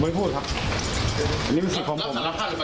ผมไม่พูดครับนี่วิศิษภ์ของผม